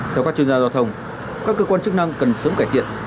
theo các chuyên gia giao thông các cơ quan chức năng cần sớm cải thiện